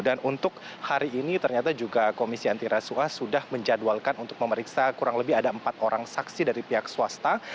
dan untuk hari ini ternyata juga komisi antirasuas sudah menjadwalkan untuk memeriksa kurang lebih ada empat orang saksi dari pihak swasta